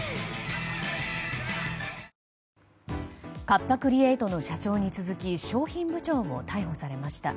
カッパ・クリエイトの社長に続き商品部長も逮捕されました。